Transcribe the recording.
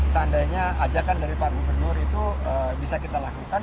seandainya ajakan dari pak gubernur itu bisa kita lakukan